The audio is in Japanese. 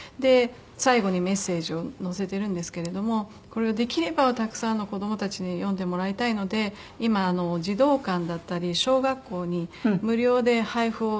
最後にメッセージを載せてるんですけれどもこれをできればたくさんの子どもたちに読んでもらいたいので今児童館だったり小学校に無料で配布を。